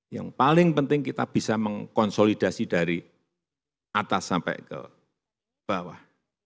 yang paling penting kita bisa mengkonsolidasi dari atas sampai ke bawah